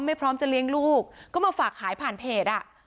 พร้อมจะเลี้ยงลูกก็มาฝากขายผ่านเพจอ่ะ